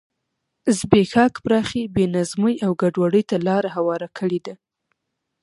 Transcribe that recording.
زبېښاک پراخې بې نظمۍ او ګډوډۍ ته لار هواره کړې ده.